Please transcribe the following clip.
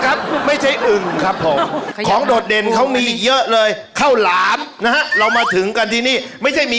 อ้าวคุณครับของโดดเด่นเค้ามีเยอะเลยเข้าหลานเรามาถึงกันที่นี่ไม่ใช่มี